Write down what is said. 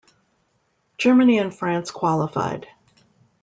Germany and France qualified.